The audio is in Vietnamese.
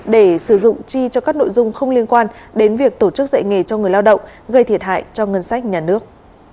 để sử dụng chi cho các nội dung không liên quan đến việc tổ chức dạy nghề cho người lao động gây thiệt hại cho ngân sách nhà nước